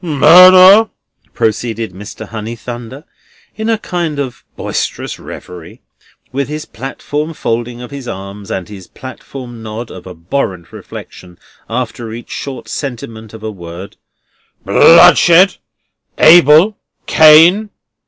"Murder!" proceeded Mr. Honeythunder, in a kind of boisterous reverie, with his platform folding of his arms, and his platform nod of abhorrent reflection after each short sentiment of a word. "Bloodshed! Abel! Cain!